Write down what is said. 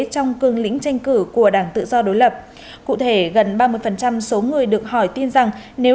và cường lĩnh tranh cử của đảng tự do đội lập cụ thể gần ba mươi số người được hỏi tin rằng nếu